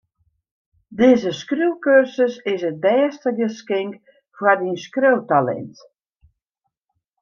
Dizze skriuwkursus is it bêste geskink foar dyn skriuwtalint.